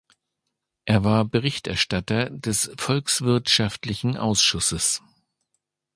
Er war Berichterstatter des volkswirtschaftlichen Ausschusses.